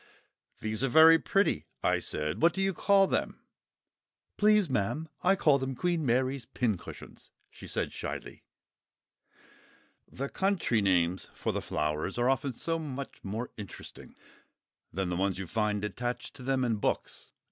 "These are very pretty," I said. "What do you call them?" "Please, ma'am, I call them 'Queen Mary's Pincushions,'" she said shyly. The country names for the flowers are often so much more interesting than the ones you find attached to them in books.